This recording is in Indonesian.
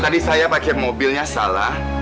tadi saya pakai mobilnya salah